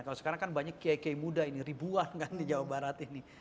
kalau sekarang kan banyak kiai kiai muda ini ribuan kan di jawa barat ini